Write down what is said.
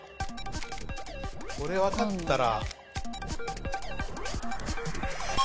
これ分かったら。